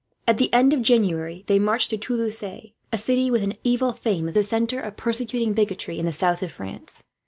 At the end of January they marched to Toulouse, a city with an evil fame, as the centre of persecuting bigotry in the south of France.